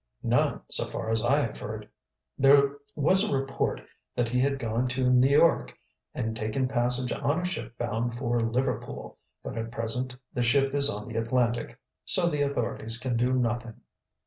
"None, so far as I have heard. There was a report that he had gone to New York and taken passage on a ship bound for Liverpool, but at present the ship is on the Atlantic, so the authorities can do nothing."